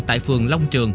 tại phường long trường